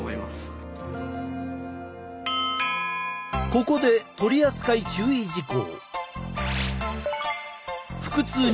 ここで取扱注意事項。